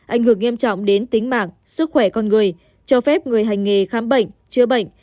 ảnh hưởng nghiêm trọng đến tính mạng sức khỏe con người cho phép người hành nghề khám bệnh chữa bệnh